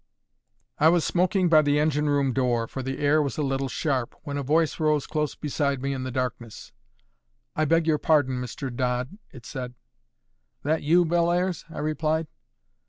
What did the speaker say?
I was smoking by the engine room door, for the air was a little sharp, when a voice rose close beside me in the darkness. "I beg your pardon, Mr. Dodd," it said. "That you, Bellairs?" I replied.